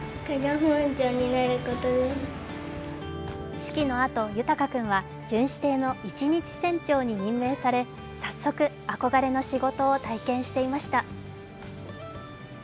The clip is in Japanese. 式のあと、豊君は巡視艇の一日船長に任命され早速、憧れの仕事を体験していました。